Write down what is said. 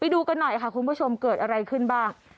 ดูกันหน่อยค่ะคุณผู้ชมเกิดอะไรขึ้นบ้าง